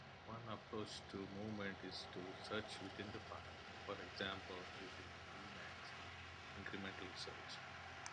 One approach to movement is to search within the file, for example using Emacs incremental search.